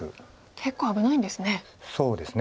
結構危ないんですね。